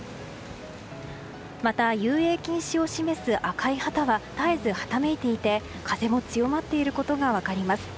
また、遊泳禁止を示す赤い旗は絶えず、はためいて風が強まっていることが分かります。